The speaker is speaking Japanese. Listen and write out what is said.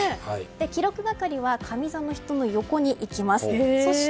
記録係は上座の人の横に行きます。